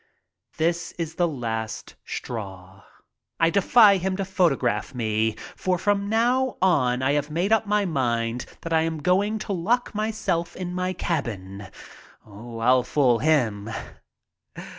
This is the last straw. I defy him to photograph me. For from now on I have made up my mind that I am going to lock myself in my cabin — I'll fool him.